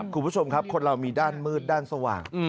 คุณผู้ชมครับคนเรามีด้านมืดด้านสว่าง